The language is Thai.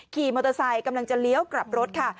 ขี่มอเตอร์ไซค์กำลังจะเลี้ยวกลับรถค่ะ